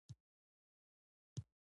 ځانته لوی هدفونه وټاکئ.